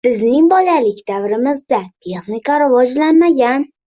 Bizning bolalik davrimizda texnika rivojlanmagan